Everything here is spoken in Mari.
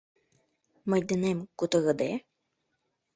— Мый денем кутырыде?